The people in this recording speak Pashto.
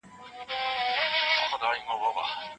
وزیران به مهم بحثونه پرمخ وړي.